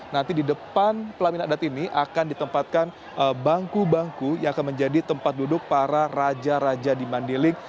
nanti di depan pelamin adat ini akan ditempatkan bangku bangku yang akan menjadi tempat duduk para raja raja di mandiling